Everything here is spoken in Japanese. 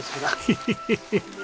ヘヘヘヘ。